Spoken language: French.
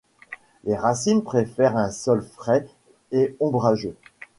Les racines préfèrent un sol frais et ombragé.